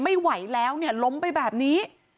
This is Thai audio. ไม่ไหวแล้วล้มไปแบบนี้